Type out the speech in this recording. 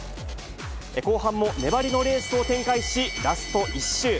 後半も粘りのレースを展開し、ラスト１周。